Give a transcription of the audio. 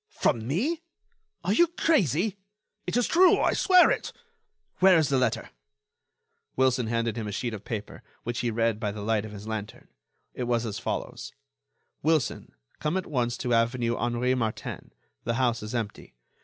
"From me? Are you crazy?" "It is true—I swear it." "Where is the letter?" Wilson handed him a sheet of paper, which he read by the light of his lantern. It was as follows: "Wilson, come at once to avenue Henri Martin. The house is empty.